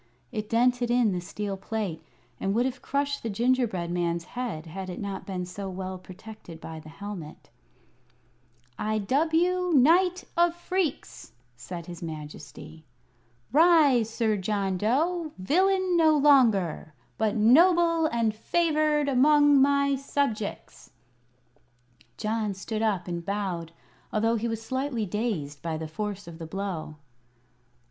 It dented in the steel plate, and would have crushed the gingerbread man's head had it not been so well protected by the helmet. "I dub you Knight of Phreex," said his Majesty. "Rise, Sir John Dough villain no longer, but noble and favored among my subjects!" John stood up and bowed, although he was slightly dazed by the force of the blow.